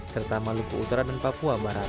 serta maluku utara dan papua barat